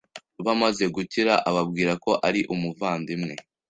Bamaze gukira ababwira ko ari umuvandimwe